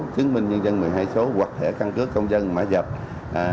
chứng minh nhân dân một mươi hai số hoặc thẻ cân cước công dân mã dạch